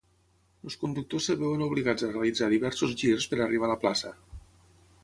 Els conductors es veuen obligats a realitzar diversos girs per a arribar a la plaça.